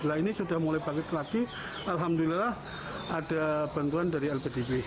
nah ini sudah mulai bangkit lagi alhamdulillah ada bantuan dari lpdb